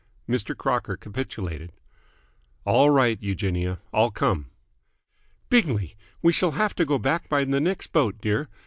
Mr. Crocker capitulated. "All right, Eugenia. I'll come." "Bingley! We shall have to go back by the next boat, dear.